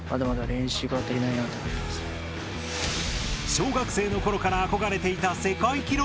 小学生の頃から憧れていた世界記録。